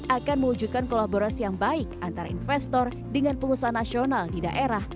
akan mewujudkan kolaborasi yang baik antara investor dengan pengusaha nasional di daerah